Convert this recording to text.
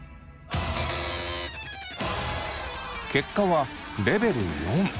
結果はレベル４。